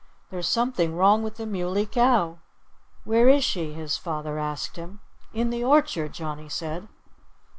"There's something wrong with the Muley Cow!" "Where is she?" his father asked him. "In the orchard!" Johnnie said.